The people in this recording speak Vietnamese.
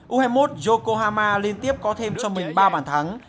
u hai mươi một yokohama liên tiếp có thêm cho mình ba bàn thắng